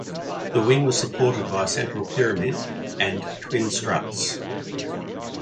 The wing was supported by a central pyramid and twin struts.